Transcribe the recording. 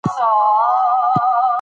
غلام وویل چې زه د الله محتاج یم.